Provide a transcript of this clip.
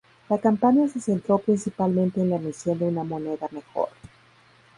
La campaña se centró principalmente en la emisión de una moneda mejor.